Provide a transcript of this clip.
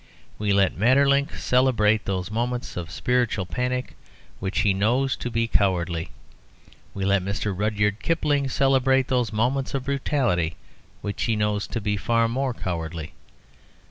We let Maeterlinck celebrate those moments of spiritual panic which he knows to be cowardly; we let Mr. Rudyard Kipling celebrate those moments of brutality which he knows to be far more cowardly.